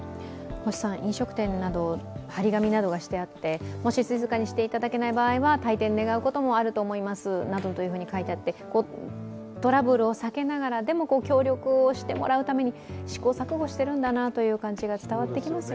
飲食店など張り紙がしてあってもし静かにしていただけない場合は退店願うこともあるなどと思いますと書いてあって、トラブルを避けながらでも協力をしてもらうために試行錯誤してるんだなという感じが伝わってきますよね。